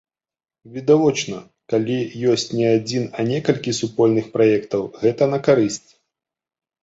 Відавочна, калі ёсць не адзін, а некалькі супольных праектаў, гэта на карысць.